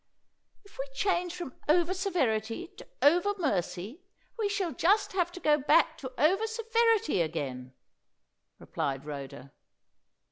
"If we change from over severity to over mercy, we shall just have to go back to over severity again," replied Rhoda.